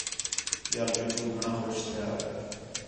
ٻِیال پیٹھو گھݨاں خوش تِھیا